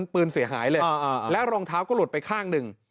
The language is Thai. ปืนเสียหายเลยแล้วรองเท้าก็หลุดไปข้างหนึ่ง